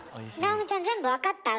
尚美ちゃん全部分かった？